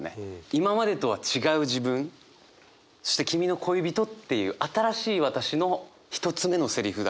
今までとは違う自分そして君の恋人っていう新しい私の一つ目のセリフだから。